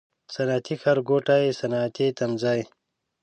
صنعتي ښارګوټی، صنعتي تمځای